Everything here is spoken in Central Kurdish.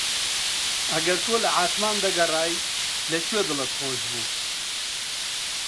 ئەگەر تۆ لە عاسمان دەگەڕای لە کوێ دڵت خۆش بوو؟